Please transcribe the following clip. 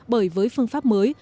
bởi với phương pháp mới